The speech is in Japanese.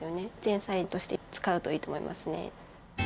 前菜として使うといいと思いますね。